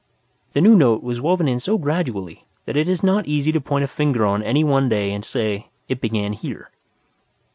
The new note was woven in so gradually that it is not easy to put a finger on any one ad and say, "It began here."